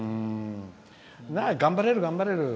頑張れる頑張れる！